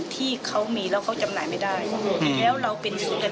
ที่แลกเปลี่ยนกันทุกอย่าง